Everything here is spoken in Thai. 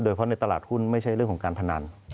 โดยเพราะในตลาดหุ้นไม่ใช่เรื่องของการพนัน